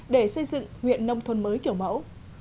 để xây dựng huyện nông thôn mới kiểu mẫu